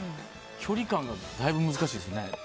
距離感がだいぶ難しいですね。